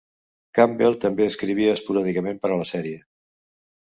Campbell també escrivia esporàdicament per a la sèrie.